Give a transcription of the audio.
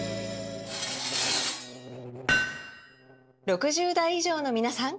６０代以上のみなさん！